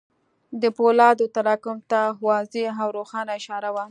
د پولادو تراکم ته واضح او روښانه اشاره وه.